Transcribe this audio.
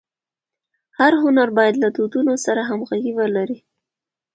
هر هنر باید له دودونو سره همږغي ولري.